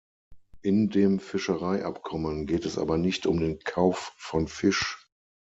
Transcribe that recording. In dem Fischereiabkommen geht es aber nicht um den Kauf von Fisch.